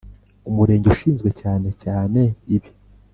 Umurenge ushinzwe cyane cyane ibi